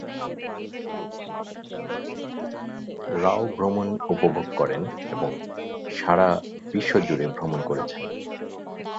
রাও ভ্রমণ উপভোগ করেন এবং সারা বিশ্ব জুড়ে ভ্রমণ করেছেন।